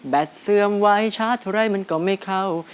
เสื่อมไว้ชาร์จเท่าไรมันก็ไม่เข้า